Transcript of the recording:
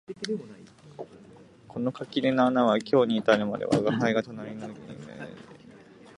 この垣根の穴は今日に至るまで吾輩が隣家の三毛を訪問する時の通路になっている